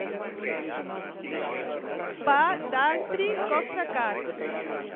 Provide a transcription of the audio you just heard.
Pa d'altri costa car.